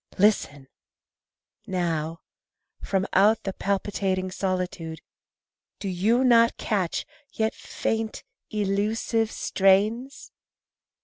Listen! Now, From out the palpitating solitude Do you not catch, yet faint, elusive strains?